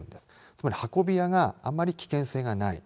つまり運び屋があんまり危険性がない。